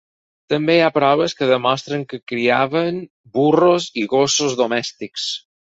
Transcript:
També hi ha proves que demostren que criaven burros i gossos domèstics.